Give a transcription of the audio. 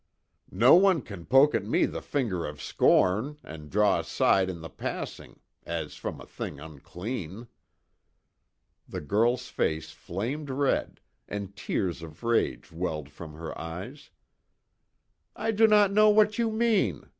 No one can poke at me the finger of scorn, and draw aside in the passing, as from a thing unclean!" The girl's face flamed red, and tears of rage welled from her eyes: "I do not know what you mean!"